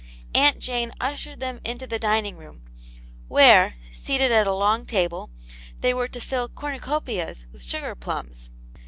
Aunt Jane ushered them into the dining room, where, seated at a long table, they were to fill cornucopias with sugar plums.